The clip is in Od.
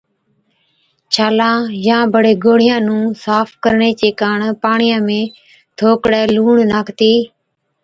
ڇالان يان بڙي گوڙهِيان نُون صاف ڪرڻي چي ڪاڻ پاڻِيان ۾ ٿوڪڙَي لُوڻ ناکتِي